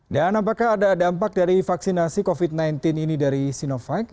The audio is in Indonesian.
dan apakah ada dampak dari vaksinasi covid sembilan belas ini dari sinovac